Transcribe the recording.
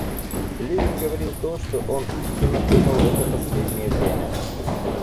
Левин говорил то, что он истинно думал в это последнее время.